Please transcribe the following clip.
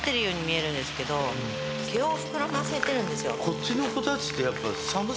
こっちの子たちってやっぱ。